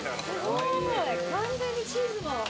完全にチーズが。